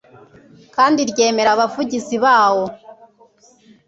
kandi ryemera abavugizi bawo